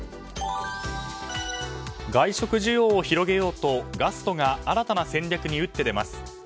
外食需要を広げようとガストが新たな戦略に打って出ます。